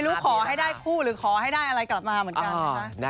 ขอให้ได้คู่หรือขอให้ได้อะไรกลับมาเหมือนกันนะคะ